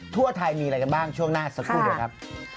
ทั่วไทยมีอะไรกันบ้างช่วงหน้าสักครู่เดี๋ยวครับ